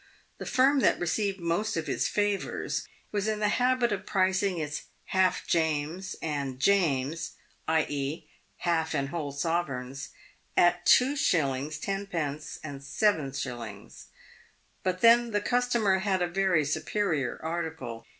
The firm that re ceived most of his " favours" was in the habit of prieiug its " half James" and "James" (i.e., half and whole sovereigns) at 2s. lOd. and 7s. But then the customer had a very superior article.